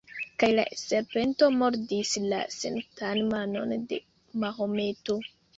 Kaj la serpento mordis la sanktan manon de Mahometo.